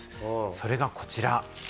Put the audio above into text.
それがこちら。